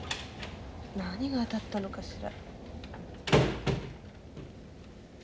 何があたったのかしら？